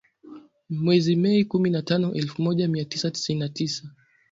Mwezi Mei, kumi na tano elfu moja mia tisa sitini na sita